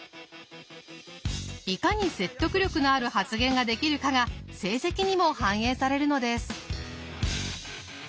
いかに説得力のある発言ができるかが成績にも反映されるのです。